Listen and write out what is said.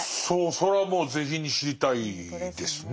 それはもう是非に知りたいですね。